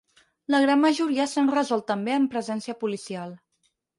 La gran majoria s’han resolt també amb presència policial.